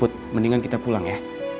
mendingan kita pulang ya